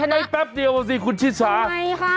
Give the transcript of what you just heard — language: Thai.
มันไม่แป๊บเดียวว่าสิคุณชิสาทำไมคะ